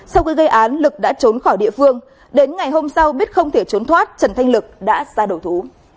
sau khi gây án lực đã trốn khỏi địa phương đến ngày hôm sau biết không thể trốn thoát trần thanh lực đã ra đầu thú